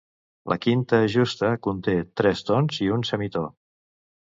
La quinta justa conté tres tons i un semitò.